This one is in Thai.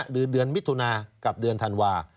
เดือนมิถุนากับเดือนธันวา